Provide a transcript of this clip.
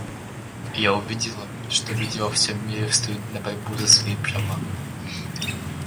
Я увидела, что люди во всем мире встают на борьбу за свои права.